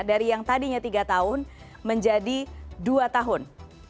dari yang tadinya tiga tahun menjadi dua tahun